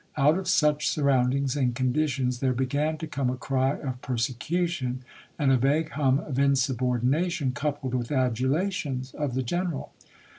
Out of such surround ings and conditions there began to come a cry of persecution and a vague hum of insubordination, coupled with adulations of the general.